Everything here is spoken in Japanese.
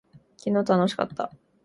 昨日は楽しかった。